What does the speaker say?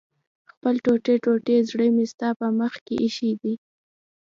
خپل ټوټې ټوټې زړه مې ستا په مخ کې ايښی دی